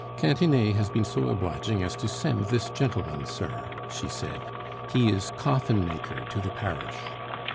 "Cantinet has been so obliging as to send this gentleman, sir," she said; "he is coffin maker to the parish."